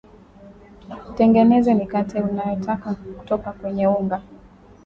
tengeneze mikate unayotaka kutoka kwenye unga